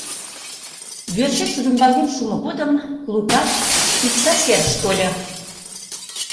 Йӧршеш рӱмбалген шумо годым Лукаш икса серыш тольо.